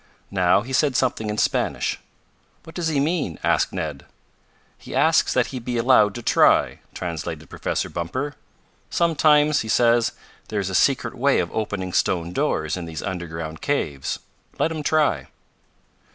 Now he said something in Spanish. "What does he mean?" asked Ned. "He asks that he be allowed to try," translated Professor Bumper. "Sometimes, he says, there is a secret way of opening stone doors in these underground caves. Let him try."